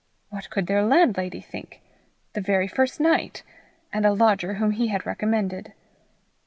What could their landlady think? the very first night? and a lodger whom he had recommended?